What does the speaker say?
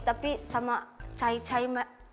tapi sama cai cai